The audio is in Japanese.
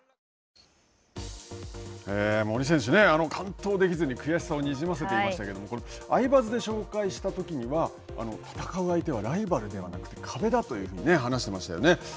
森選手、完登できず悔しさをにじませていましたが「アイバズ」で紹介した際には戦う相手はライバルではなく壁と話していましたよね。